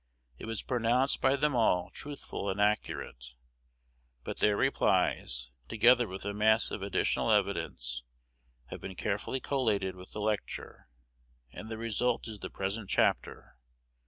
It was pronounced by them all truthful and accurate; but their replies, together with a mass of additional evidence, have been carefully collated with the lecture, and the result is the present chapter.